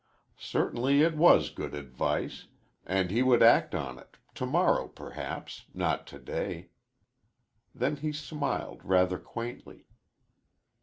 Certainly it was good advice, and he would act on it to morrow, perhaps not to day. Then he smiled, rather quaintly.